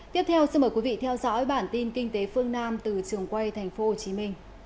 tiếp theo xin mời quý vị theo dõi bản tin kinh tế phương nam từ trường quay tp hcm